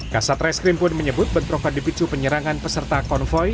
kasat reskrim pun menyebut bentrokan dipicu penyerangan peserta konvoy